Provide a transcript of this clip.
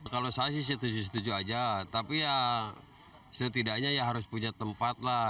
kalau saya sih setuju setuju aja tapi ya setidaknya ya harus punya tempat lah